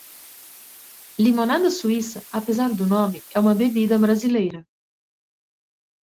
Limonada suíça, apesar do nome, é uma bebida brasileira.